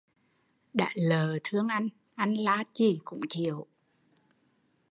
Đã lợ thương anh, anh la chi cũng chịu